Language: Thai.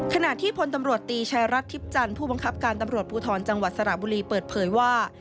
ขณะที่พลตำรวจตีชายรัฐทิพย์จันทร์ผู้บังคับการตำรวจภูทรจังหวัดสระบุรีเปิดเผยว่า